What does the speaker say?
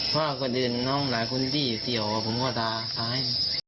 เพราะคนอื่นน้องหลายคนที่เสี่ยวผมก็ตาตาให้